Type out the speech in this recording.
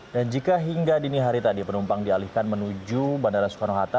dan jika hingga dini hari tadi penumpang dialihkan menuju bandara soekarno hatta